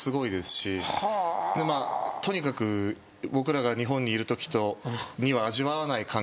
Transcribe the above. とにかく僕らが日本にいるときには味わわない環境なわけですよ。